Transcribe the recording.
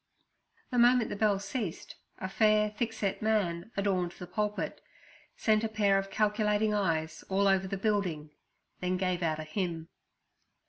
The moment the bell ceased a fair, thick set man adorned the pulpit, sent a pair of calculating eyes all over the building, then gave out a hymn.